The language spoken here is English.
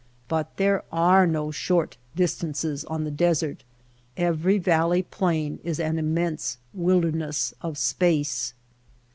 ^' But there are no short distances on the desert. Every valley plain is an immense wilderness of space.